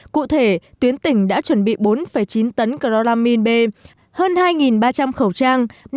cụ thể tuyến tỉnh đã chuẩn bị bốn chín tấn chloramine b hơn hai ba trăm linh khẩu trang